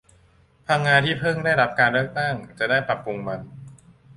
พังงาที่เพิ่งได้รับการเลือกตั้งจะได้ปรับปรุงมัน